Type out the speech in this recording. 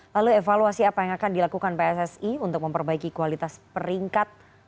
lalu evaluasi apa yang akan dilakukan pssi untuk memperbaiki kualitas peringkat